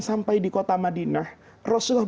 sampai berpisah dengan kota mekah